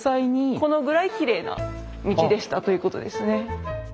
このぐらいきれいな道でしたということですね。